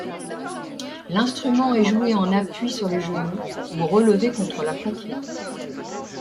L'instrument est joué en appui sur les genoux ou relevé contre la poitrine.